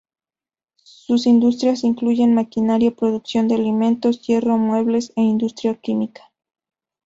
Sus industrias incluyen maquinaria, producción de alimentos, hierro, muebles e industria química.